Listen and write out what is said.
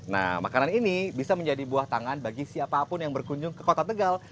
nah makanan ini bisa menjadi buah tangan bagi siapapun yang berkunjung ke kota tegal